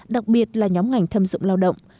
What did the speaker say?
đặc biệt là nhóm ngành thâm dụng lao động